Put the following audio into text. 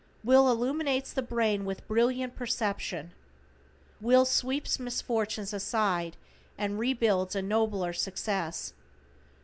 Will illumines the brain with brilliant perception. Will sweeps misfortunes aside and rebuilds a nobler success.